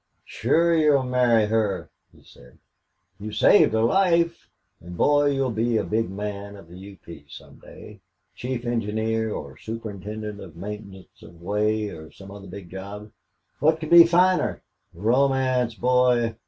"Sure you'll marry her," he said. "You saved her life. And, boy, you'll be a big man of the U. P. some day. Chief engineer or superintendent of maintenance of way or some other big job. What could be finer? Romance, boy.